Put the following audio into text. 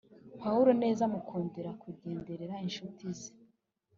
Pawulo neza amukundira kugenderera incuti ze